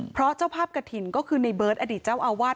เพราะเจ้าภาพกระถิ่นก็คือในเบิร์ตอดีตเจ้าอาวาส